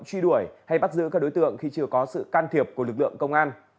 truy đuổi hay bắt giữ các đối tượng khi chưa có sự can thiệp của lực lượng công an